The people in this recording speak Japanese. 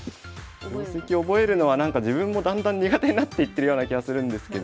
定跡覚えるのはなんか自分もだんだん苦手になっていってるような気はするんですけど。